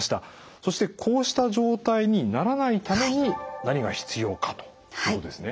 そしてこうした状態にならないために何が必要かということですね。